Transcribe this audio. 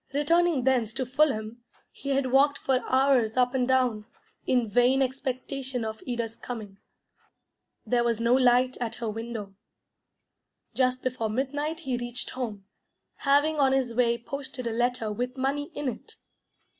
Returning thence to Fulham, he had walked for hours up and down, in vain expectation of Ida's coming. There was no light at her window. Just before midnight he reached home, having on his way posted a letter with money in it.